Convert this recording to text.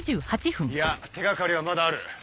いや手掛かりはまだある。